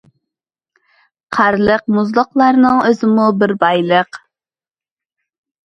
« قارلىق، مۇزلۇقلارنىڭ ئۆزىمۇ بىر بايلىق».